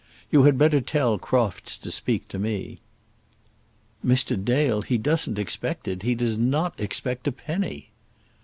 You had better tell Crofts to speak to me." "Mr. Dale, he doesn't expect it. He does not expect a penny."